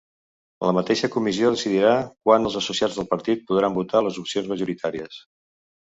La mateixa comissió decidirà quan els associats del partit podran votar les opcions majoritàries.